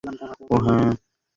ওহ, হ্যাঁ!